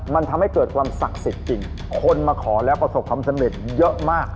มันทำให้เกิดความศักดิ์สิทธิ์จริงคนมาขอแล้วประสบความสำเร็จเยอะมาก